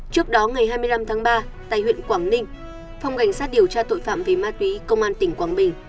trước đó ngày hai mươi năm tháng ba tại huyện quảng ninh phòng cảnh sát điều tra tội phạm về ma túy công an tỉnh quảng bình